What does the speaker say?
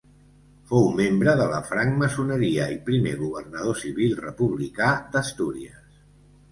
Fou membre de la francmaçoneria i primer governador civil republicà d'Astúries.